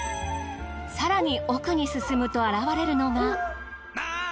更に奥に進むと現れるのが。